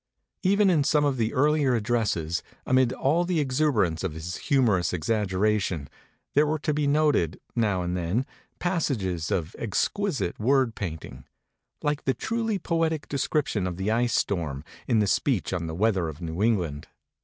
Even in some of the earlier addresses, amid all the exu berance of his humorous exaggeration, there were to be noted, now and then, passages of ex quisite word painting like the truly poetic de scription of the ice storm in the speech on the weather of New England.